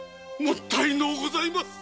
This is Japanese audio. もったいのうございます。